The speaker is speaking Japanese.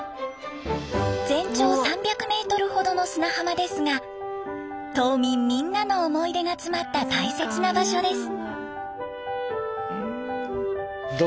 全長３００メートルほどの砂浜ですが島民みんなの思い出が詰まった大切な場所です。